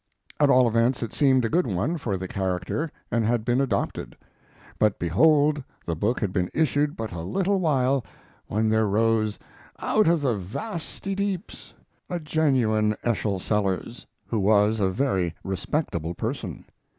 At all events, it seemed a good one for the character and had been adopted. But behold, the book had been issued but a little while when there rose "out of the vasty deeps" a genuine Eschol Sellers, who was a very respectable person.